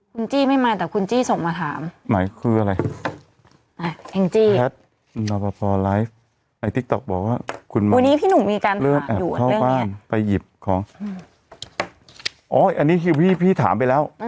คุณจี้ไม่มาแต่คุณจี้ส่งมาถาม